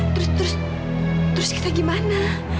terus terus kita gimana